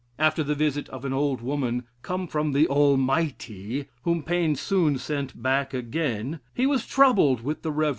After the visit of an old woman, "come from the Almighty," (whom Paine soon sent back again) he was troubled with the Rev. Mr.